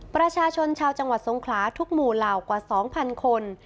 ประชาชนชาวจังหวัดทรงขลาทุกหมู่เหล่ากว่า๒๐๐คน